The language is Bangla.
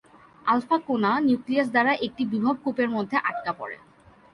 আলফা কণা নিউক্লিয়াস দ্বারা একটি বিভব কূপের মধ্যে আটকা পড়ে।